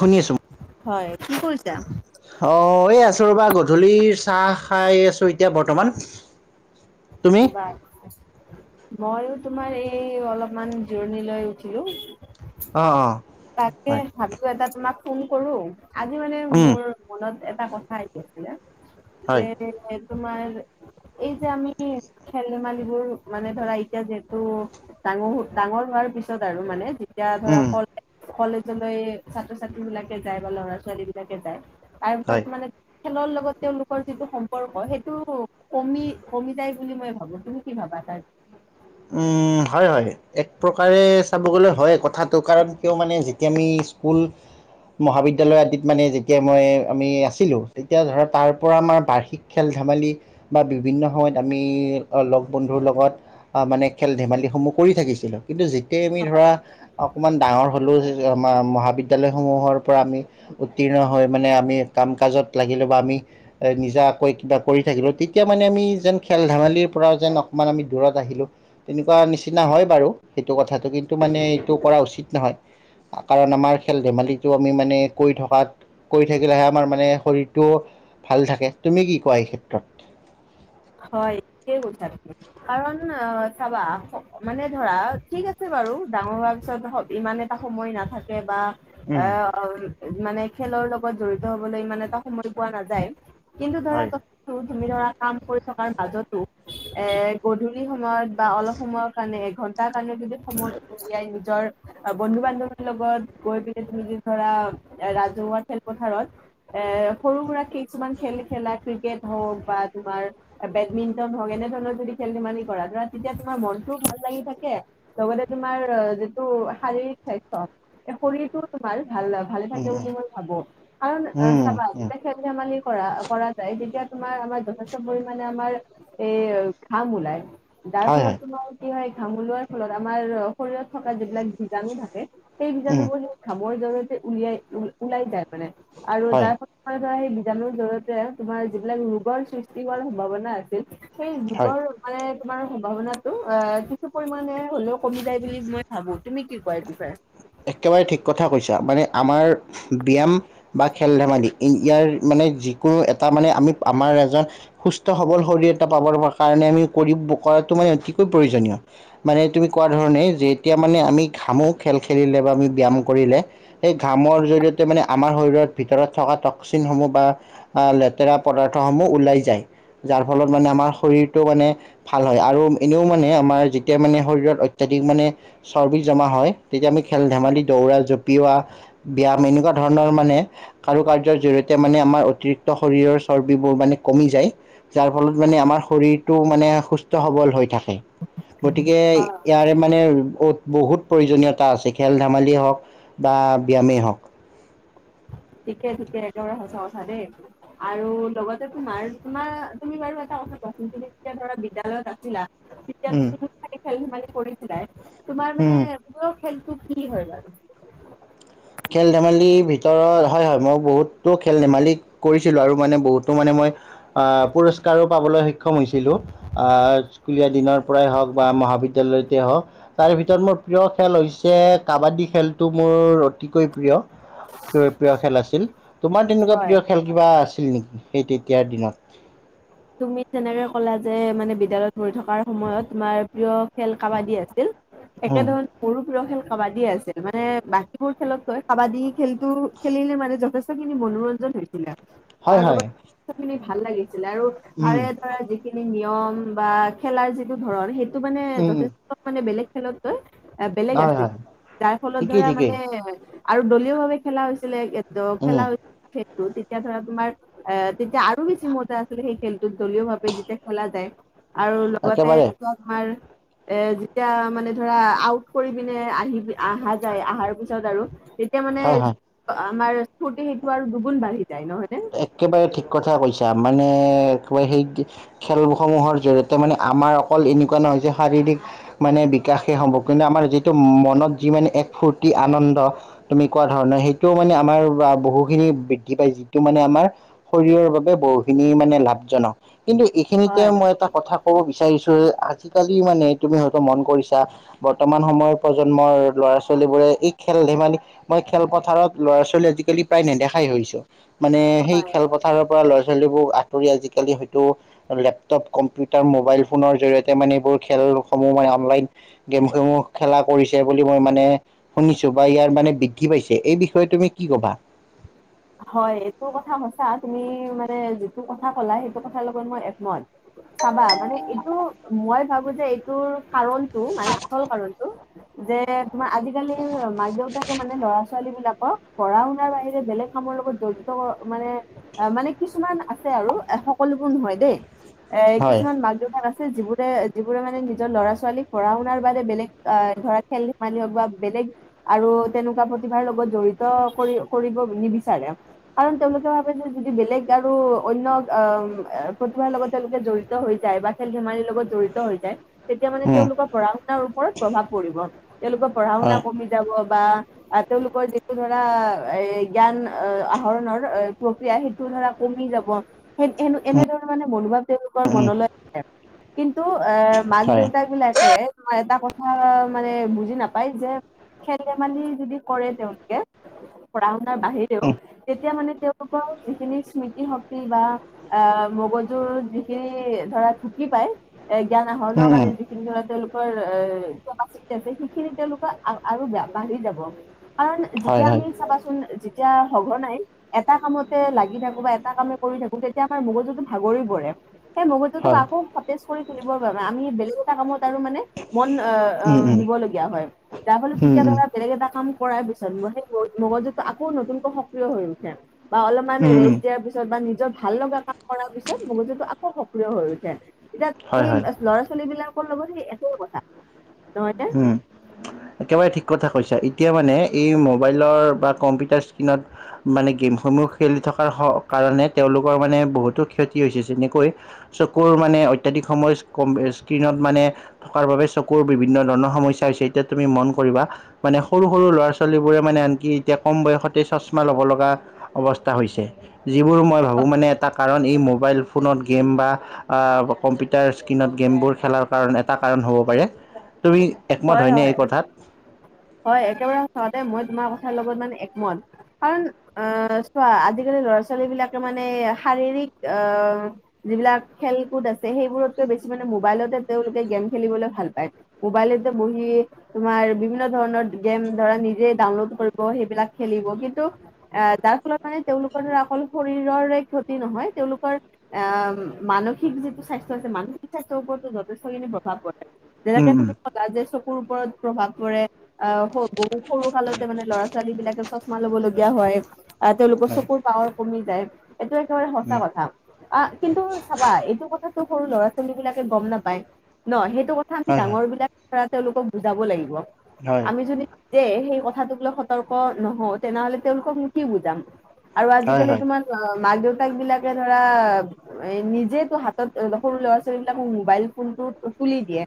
শুনি আছোঁ। হয়, কি কৰিছা? অ', এই আছো ৰ'বা, গধূলিৰ চাহ খাই আছো এতিয়া বৰ্তমান। তুমি বাৰ [unintelligible] ময়ো তোমাৰ এই, অলপমান জোৰণি লৈ উঠিলো। অ', অ'। তাকে হয় ভাবিলো, এটা তোমাক ফোন কৰোঁ, আজি মানে উম মোৰ মনত এটা কথা আহি আছিলে, হয় যে তোমাৰ এই যে আমি, খেল-ধেমালিবোৰ মানে ধৰা, এতিয়া যিহেতু ডাঙৰ, ডাঙৰ হোৱাৰ পিছত আৰু, মানে যেতিয়া ধৰা উম কলেজলৈ ছাত্ৰ-ছাত্ৰী বিলাকে যায়, বা ল'ৰা ছোৱালী বিলাকে যায়, তাৰ হয় ভিতৰত মানে খেলৰ লগত তেওঁলোকৰ যিটো সম্পৰ্ক, সেইটো কমি, কমি যায় বুলি মই ভাবো, তুমি কি ভাবা তাৰ হয়, হয়। এক প্ৰকাৰে চাব গ'লে হয় কথাটো, কাৰণ কিয় মানে, যেতিয়া আমি স্কুল মহাবিদ্যালয় আদিত মানে, যেতিয়া মই আমি আছিলোঁ, তেতিয়া ধৰা, তাৰ পৰা আমাৰ বাৰ্ষিক খেল ধেমালি, বা বিভিন্ন সময়ত আমি লগ বন্ধুৰ লগত মানে খেল ধেমালিসমূহ কৰি থাকিছিলোঁ, কিন্তু যেতিয়াই আমি ধৰা অকণমান ডাঙৰ হ'লো, আমাৰ মহাবিদ্যালয়সমূহৰ পৰা আমি উত্তীৰ্ণ হৈ, মানে আমি কাম কাজত লাগিলো বা আমি নিজাকৈ কিবা কৰি থাকিলোঁ, তেতিয়া মানে আমি যেন, খেল-ধেমালিৰ পৰা যেন অকণমান আমি দূৰত আহিলোঁ তেনেকুৱা নিচিনা হয় বাৰু সেইটো কথাটো, কিন্তু মানে এইটো কৰা উচিত নহয়। কাৰণ আমাৰ, খেল-ধেমালিটো আমি মানে কৈ থকাত কৰি থাকিলোহে আমাৰ মানে শৰীৰটো ভাল থাকে, তুমি কি কোৱা এই ক্ষেত্ৰত। হয়, ঠিকে কৈছা তুমি। কাৰণ অ', চাবা, মানে ধৰা, ঠিক আছে বাৰু, ডাঙৰ হোৱাৰ পিছত ইমানে এটা সময় নাথাকে বা উম আহ, মানে খেলৰ লগত জড়িত হবলৈ ইমান এটা সময় পোৱা নাযায় কিন্তু ধৰা, হয় কথাটো তুমি ধৰা কাম কৰি থকাৰ মাজতো এ, গধূলি সময়ত বা অলপ সময়ৰ কাৰণে এঘন্টাৰ কাৰণে যদি সময় জিয়াই নিজৰ বন্ধু বান্ধৱীৰ লগত গৈ পেলাই তুমি যে ধৰা ৰাজহুৱা খেলপথাৰত এ সৰু সুৰােক কিছুমান খেল খেলা ক্ৰিকেট হওঁক বা তোমাৰ বেডমিন্টন হওক এনেধৰণৰ যদি খেল ধেমালি কৰা ধৰা তেতিয়া তোমাৰ মনটোও ভাল লাগি থাকে। লগতে তোমাৰ যিটো শাৰীৰিক স্বাস্থ শৰীৰটোও তোমাৰ ভাল ল ভালে উম থাকে বুলি মই ভাবো, কাৰণ উম চাবা উম উম খেল ধেমালি কৰা কৰা যায় তেতিয়া তোমাৰ আমাৰ যথেষ্ট পৰি মানে আমাৰ এই ঘাম ওলাই, যাৰ হয় ফলত হয় তোমাৰ কি হয় ঘামলোৱাৰ ফলত আমাৰ শৰীৰত থকা যিবিলাক বীজাণু থাকে, সেই উম বীজাণুৰ ঘামৰ জৰিয়তে উলিয়াই ওলাই যায় মানে, আৰু হয় তাৰ হয় সেই বীজাণুুৰ জয়তে তোমাৰ যিবিলাক ৰোগৰ সৃষ্টি হোৱাৰ সম্ভাৱনা আছিল সেই হয় ৰোগৰ মানে তোমাৰ সম্ভাৱনাটো অ' কিছু পৰিমানে হলেওঁ কমি যায় বুলি মই ভাবো। তুমি কি কোৱা এইটো? একেবাৰে ঠিক কথা কৈছা, মানে আমাৰ ব্যায়াম বা খেল ধেমালি ইয়াৰ মানে যিকোনো এটা মানে আমি আমাৰ এজন সুস্থ সবল শৰীৰ এটা পাব কাৰণে আমি কৰি কৰাটো মানে অতিকৈ প্ৰয়োজনীয় মানে তুমি কোৱা ধৰণেই যে এতিয়া মানে আমি ঘামো খেল খেলিলে বা আমি ব্যায়াম কৰিলে সেই ঘামৰ জৰিয়তে মানে আমাৰ শৰীৰৰ ভিতৰত থকা টক্সিনসমূহ বা আহ লেতেৰা পদাৰ্থ সমূহ ওলাই যায়, যাৰ ফলত মানে আমাৰ শৰীৰটো মানে ভাল হয় আৰু এনেও মানে আমাৰ যেতিয়া মানে শৰীৰত অত্যাধিক মানে চৰ্বি জমা হয় তেতিয়া আমি খেল ধেমালি দৌৰা জঁপিওৱা ব্যায়াম এনেকুৱা ধৰণৰ মানে কাৰু কাৰ্যৰ জৰিয়তে মানে আমাৰ অতিৰিক্ত শৰীৰৰ চৰ্বিবোৰ মানে কমি যায়। যাৰ ফলত মানে আমাৰ শৰীৰটো মানে সুস্থ সবল হৈ থাকে। গতিকে অ ইয়াৰে মানে বহুত প্ৰয়োজনীয় তা আছে, খেল ধেমালিয় হওঁক বা ব্যায়ামেই হওঁক। ঠিকে ঠিকে একেবাৰে সঁচা কথা দেই। আৰু লগতে তোমাৰ তোমাৰ তুমি বাৰু এটা কথা কোৱাচোন তুমি যেতিয়া ধৰা বিদ্য়ালয়ত আছিলা তেতিয়া উম, তুমি খি খেলি ধেমালি কৰিছিলাই, তোমাৰ মানে উম। ৰ খেলতটো কি হয় বাৰু? খেল ধেমালিৰ ভিতৰত হয় হয় মই বহুতো খেল ধেমালি কৰিছিলো আৰু মানে বহুতো মানে মই আহ পুৰস্কাৰো পাবলৈ সক্ষম হৈছিলোঁ, স্কুলীয়া দিনৰ পৰাই হওঁক বা মহাবিদ্যালয়তে হওঁক তাৰে ভিতৰত মোৰ প্ৰিয় খেলতো হৈছে কাবাডী খেলটো মোৰ অতিকৈ প্ৰিয় প্ৰিয় খেল আছিল, তোমাৰ তেনেকুৱা হয় প্ৰিয় খেল কিবা আছিল নেকি সেই তেতিয়াৰ দিনত? তুমি তেনেকে ক'লা যে মানে বিদ্যালয়ত পঢ়ি থকাৰ সময়ত তোমাৰ প্ৰিয় খেল কাবাডী আছিল, একে উম, ধৰণে মোৰো প্ৰিয় খেল কাবাডী আছিল, মানে বাকীবোৰ খেলতকৈ কাবাডী খেলতো খেলিলে মানে যথেষ্ট খিনি মনোৰঞ্জন হৈছিলে। হয় আৰু হয় লগতিনি ভাল লাগিছিলে আৰু উম তাৰে ধৰা নিয়ম বা খেলাৰ যিটো ধৰণ সেইটো মানে উম উম যথেষ্ট মানে বেলেগ খেলত কৈ বেলেগ হয় আছিল, হয় তাৰ ফলত ঠিকেই ধৰা ঠিকেই মানে আৰু দলীয় ভাৱে খেলা হৈছিলে উম খেলা ত তেতিয়া ধৰা তোমাৰ অ' তেতিয়া আৰু বেছি মজা আছিলে সেই খেল দলীয় ভাৱে যেতিয়া খেলা যায়, আৰু লগতে একেবাৰে যিটো আমাৰ এ যেতিয়া মানে ধৰা আউট কৰি পিনে আহি আহা যায় আৰু পিছত আৰু তিয়া মানে হয় হয় আমাৰ ফুৰ্তি সেইটো আৰু দুগুণ বাঢ়ি যায় নহয় নে? একেবাৰে ঠিক কথা কৈছা মানে [unintelligible] খেলসমূহৰ জৰিয়তে মানে আমাৰ অকল এনেকুৱা নহয় যে শাৰীৰিক মানে বিকাশে হ'ব। কিন্তু আমাৰ যিটো মনত যি মানে এক ফূৰ্তি আনন্দ তুমি কোৱা ধৰণৰ সেইটোও মানে আমাৰ বহুখিনি বৃদ্ধি পাইছে। টো মানে আমাৰ শৰীৰৰ বাবে বহুখিনি মানে লাভজনক। কিন্তু এইখিনিতে হয় মই এটা কথা ক'ব বিচাৰিছো আজিকালি মানে তুমি হয়তো মন কৰিছা। বৰ্তমান সময়ৰ প্ৰজন্মৰ ল'ৰা ছোৱালীবোৰে এই খেল ধেমালি মই খেলপথাৰত ল'ৰা ছোৱালী আজিকালি প্ৰায় নেদেখাই হৈছো। মানে সেই খেলপথাৰ পৰা ল'ৰা ছোৱালীবোৰ আঁতৰি আজিকালি হয়তো লেপটপ কম্পিউটাৰ মোবাইল ফোনৰ জৰিয়তে মানে এইবোৰ খেলসমূহ মানে অনলাইন গেমসমূহ খেলা কৰিছে বুলি মই মানে শুনিছো বা ইয়াৰ মানে বৃদ্ধি পাইছে। এই বিষয়ে তুমি কি কবা? হয়, এইটো কথা সচা তুমি মানে যিটো কথা ক'লা সেইটো কথাৰ লগত মই একমত। চাবা মানে এইটো মই ভাবো যে এইটোৰ কাৰণটো মানে আচল কাৰণটো যে তোমাৰ আজিকালিৰ মাক দেউতাকে মানে ল'ৰা ছোৱালীবিলাকক পঢ়া শুনাৰ বাহিৰে বেলেগ কামৰ লগত জড়িত মানে অ' মানে কিছুমান আছে আৰু অহ সকলোবোৰ নহয় দেই। এই হয় কিছুমান মাক দেউতাক আছ যিবোৰে যিবোৰে মানে নিজৰ ল'ৰা ছোৱালীক পঢ়া শুনাৰ বাদে বেলেগ আহ ধৰা খেল ধেমালি হওঁক বা বেলেগ আৰু তেনেকুৱা প্ৰতিভাৰ লগত জড়িত কৰি কৰিব নিবিচাৰে। কাৰণ তেওঁলোকে ভাবে যে যদি বেলেগ আৰু অন্য আহ প্ৰতিভাৰ লগত তেওঁলোকে জডিত হৈ যায় বা খেল ধেমালিৰ লগত জড়িত হৈ যায়। তেতিয়া মানে উম তেওঁলোকৰ পঢ়া শুনাৰ ওপৰত প্ৰভাৱ পৰিব। তেওঁলোকৰ পঢ়া শুনা হয় কমি যাব বা তেওঁলোকৰ যিটো ধৰা এই জ্ঞান অহ আহৰণৰ প্ৰক্ৰিয়া সেইটো ধৰা কমি যাব। এ-এনো-এনেদৰে মানে মনোভাৱ তেওঁলোকৰ উম মনলৈ আহে। কিন্তু এ মাক হয় দেউতাবিলাকে এটা কথা মানে বুজি নাপায় যে খেল ধেমালি যদি কৰে তেওঁলোকে পঢ়া শুনাৰ বাহিৰেও। তেতিয়া মানে তেওঁ লোকৰ যিখিনি স্মৃতি শক্তি বা অহ মগজুৰ যিখিনি ধৰা ঢুকি পাই এ জ্ঞান উম আহৰণৰ কাৰণে উম যি খিনি ধৰা তেওঁলোকৰ এই কেপাচিটি আছে সেইখিনি তেওঁলোকৰ আৰু বাঢ়ি যাব। কাৰণ উম হয় যেতিয়া হয় আমি চাবাচোন যেতিয়া সঘনাই এটা কামতে লাগি থাকো বা এটা কামে কৰি থাকো তেতিয়া আমাৰ মগজুটো ভাগৰি পৰে। সেই মগজু তোক হয় আকৌ সতেজ কৰি তুলিবৰ বাবে আমি বেলেগ এটা কামত আৰু মানে মন আহ উম আহ উম উম দিবলগীয়া হয়। যাৰ ফলত উম তেতিয়া ধৰা বেলেগএটা কাম কৰাৰ পিছত সেই মগজুটো আকৌ নতুনকৈ সক্ৰিয় হৈ উঠে। বা অলপমান উম উম ৰেষ্ট দিয়াৰ পিছত বা নিজৰ ভাল লগা কাম কৰাৰ পিছত মগজুটো আকৌ সক্ৰিয় হৈ উঠে। এতিয়া হয় সেই হয় ল'ৰা ছোৱালীবিলাকৰ লগত সেই একো কথা নহয় ন? উম একেবাৰে ঠিক কথা কৈছা। এতিয়া মানে এই মোবাইলৰ বা কম্পিউটাৰ স্ক্ৰীণত মানে গেমসমূহ খেলি থকাৰ কাৰণে তেওঁলোকৰ মানে বহুতো ক্ষতি হৈছে। যেনেকৈ চকুৰ মানে অত্যাধিক সময় স্ক্ৰণত মানে থকাৰ বাবে চকুৰ বিভিন্ন ধৰণৰ সমস্যা হৈছে। এতিয়া তুমি মন কৰিবা মানে সৰু সৰু ল'ৰা ছোৱালীবোৰে মানে আনকি এতিয়া কম বয়সতে চশমা ল'ব লগা অৱস্থা হৈছে, যিবোৰ মই ভাবোঁ মানে এটা কাৰণ এই মোবাইল ফোনত গেম বা আ, কম্পিউটাৰ স্ক্ৰীিনত গেমবোৰ খেলাৰ কাৰণ এটা কাৰণ হ'ব পাৰে, তুমি একমত হয় হয়নে হয় এই কথাত? হয়, একেবাৰে সঁচা কথা, মই তোমাৰ কথা লগত মানে একমত। কাৰণ আ, চোৱা আজিকালি ল'ৰা ছোৱালীবিলাকে মানে শাৰীৰিক আ যিবিলাক খেল কুদ আছে সেইবোৰতকৈ বেছি মানে মোবাইলতে তেওঁলোকে গেম খেলিবলৈ ভাল পায়। মোবাইলেতে বহি তোমাৰ বিভি বিভিন্ন ধৰণৰ গেম ধৰা নিজে ডাউনলোড কৰিব, সেইবিলাক খেলিব কিন্তু এ, যাৰ ফলত মানে তেওঁলোকৰ অকল শৰীৰৰে ক্ষতি নহয়, তেওঁলোকৰ আ, মানসিক যিটো স্বাস্থ্য আছে, মানসিক স্বাস্থ্যৰ ওপৰতো যথেষ্টখিনি প্ৰভাৱ পাৰে। উম যেনেকে উম তুমি কলা যে চকুৰ ওপৰত প্ৰভাৱ পৰে। আ, বহু সৰু কালতে মানে ল'ৰা ছোৱালীবিলাকে চচমা ল'ব লগগীয়া হয়, আ, তেওঁলোকৰ হয় চকুত পাৱাৰ কমি যায়, এইটো একেবাৰে সঁচা উম কথা কা কিন্তু চাবা এইটো কথাটো সৰু ল'ৰা ছোৱালীবিলাকে গ'ম নাপায় ন' সেইটো কথা কথা আমি হয় হয় ডাঙৰবিলাক ধৰা তেওঁলোকক বুজাব লাগিব। হয় আমি যদি সেই কথাটোক লৈ সতৰ্ক নহওঁ তেনেহ'লে তেওঁলোককনো কি বুজাম। আৰু হয় আজিকালি হয় তোমাৰ মাক দেউতাকবিলাকে ধৰা এ, নিজেইতো হাতত সৰু ল'ৰা ছোৱালীবিলাক মোবাইল ফোনটো তুলি দিয়ে।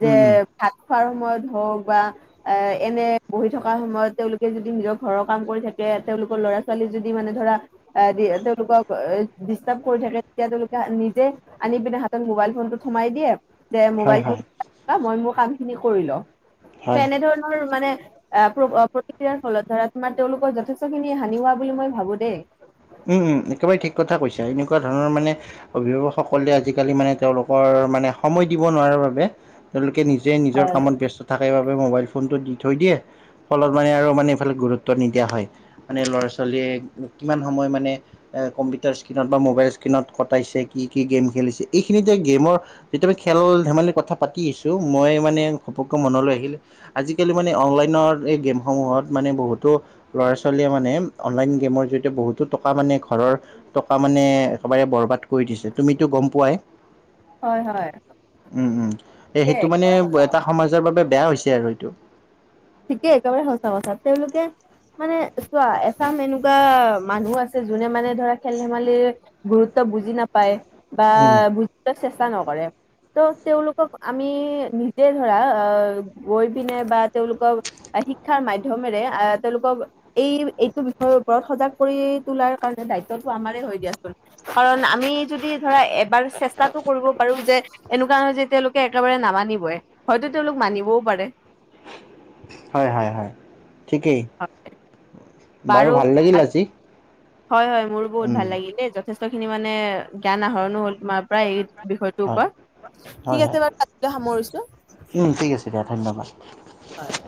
যে উম উম ভাত খোৱাৰ সময়ত হওক বা এ, এনে বহি থকা সময়ত তেওঁলোকে যদি নিজৰ ঘৰৰ কাম কৰি থাকে, তেওঁলোকৰ ল'ৰা ছোৱালী যদি মানে ধৰা এ, তেওঁলোকক এ ডিষ্টাৰ্ব কৰি থাকে তেতিয়া তেওঁলোকে নিজে আনি পিনে হাতত মোবাইল ফোনটো থোমাই দিয়ে দে হয় মোবাইল ফোন, হয় মই মোৰ কামখিনি কৰি লও, হয় এনেধৰণৰ মানে আ প্ৰ-প্ৰতিক্ৰিয়াৰ ফলত ধৰা তোমাৰ তেওঁলোকৰ যথেষ্টখিনি হানি হোৱা বুলি মই ভাবোঁ দেই। উম, উম, একেবাৰে ঠিক কথা কৈছা, এনেকুৱা ধৰণৰ মানে অভিভাৱকসকলে আজিকালি মানে তেওঁলোকৰ মানে সময় দিব নোৱাৰাৰ বাবে তেওঁলোকে নিজে নিজৰ হয় কামত ব্যস্ত থাকাৰ বাবে মোবাইল ফোনটো দি থৈ দিয়ে ফলত মানে আৰু মানে এইফালে গুৰুত্ব নিদিয়া হয়, মানে ল'ৰা ছোৱালীয়ে কিমান সময় মানে এ, কম্পিউটাৰ স্ক্ৰীণত বা মোবাইল স্ক্ৰীণত কটাইছে, কি কি গেম খেলিছে, এইখিনিতে গেমৰ যেতিয়া মই খেল ধেমালি কথা পাতি আছোঁ, মই মানে ঘপককৈ মনলৈ আহিল আজিকালি মানে অনলাইনৰ এই গেমসমূহত মানে বহুতো ল'ৰা ছোৱালীয়ে মানে অনলাইন গেমৰ জৰিয়তে বহুত টকা মানে ঘৰৰ টকা মানে একেবাৰে বৰবাদ কৰি দিছে, তুমিটো গ'ম পোৱাই। হয় উম, উম, এ, সেইটো মানে হয় এটা সমাজৰ বাবে বেয়া হৈছে আৰু এইটো। ঠিকে একেবাৰে সঁচা কথা, তেওঁলোকে মানে চোৱা এচাম এনেকুৱা মানুহ আছে যোনে মানে ধৰা খেল ধেমালিৰ গুৰুত্ব বুজি নাপায় বা উম বুজিবলৈ চেষ্টা নকৰে। ত' তেওঁলোকক আমি নিজে ধৰা আ, গৈ পিনে বা তেওঁলোক ক শিক্ষাৰ মাধ্যমেৰে আ তেওঁলোকক এই এইটো বিষয়ৰ ওপৰত সজাগ কৰি তোলাৰ কাৰণে দায়িত্বটো আমাৰে হয় দিয়াচোন। কাৰণ আমি যদি ধৰা এবাৰ চেষ্টাটো কৰিব পাৰোঁ যে এনেকুৱা নহয় যে তেওঁলোকে একেবাৰে নামানিবই, হয়তো তেওঁলোক মানিবও পাৰে। হয় হয় হয়, ঠিকেই। বাৰু ভাল লাগিল আ, আজি হয় হয় মোৰো বহুত উম ভাল লাগিল দেই, য যথেষ্টখিনি মানে জ্ঞান আহৰণো হ'ল তোমাৰপৰা এই বিষয় টোৰ হয় ওপৰত হয় ঠিক হয় আছে বাৰু আজিলৈ সামৰিছো [unintelligible] উম ঠিক আছে দিয়া ধন্যবাদ। হয়।